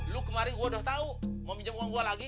bu haji pak haji gue udah tahu mau pinjam uang gue lagi kan